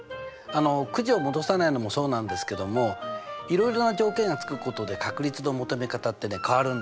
くじを戻さないのもそうなんですけどもいろいろな条件がつくことで確率の求め方って変わるんですよね。